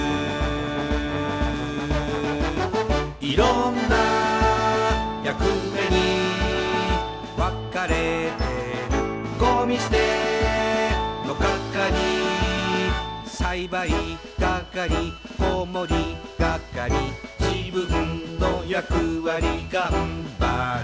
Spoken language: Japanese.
「いろんな役目にわかれてる」「ごみすてのかかり」「栽培がかり子守りがかり」「じぶんのやくわりがんばる」